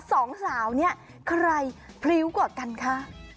สองสาวเนี่ยใครพริ้วกว่ากันคะ